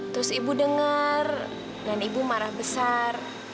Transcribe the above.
terus ibu dengar dan ibu marah besar